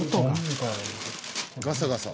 ガサガサ。